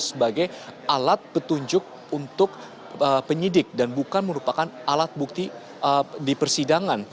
sebagai alat petunjuk untuk penyidik dan bukan merupakan alat bukti di persidangan